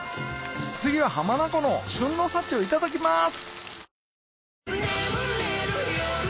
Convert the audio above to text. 次は浜名湖の旬の幸をいただきます